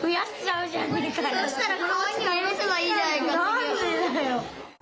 なんでだよ！